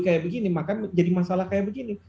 kayak begini maka jadi masalah kayak begini